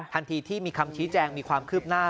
ทันทีที่มีคำชี้แจงมีความคืบหน้า